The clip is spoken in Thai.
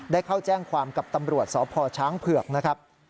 ได้เข้าแจ้งความกับตำรวจสพช้างเผือกนะครับ